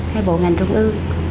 hay bộ ngành trung ương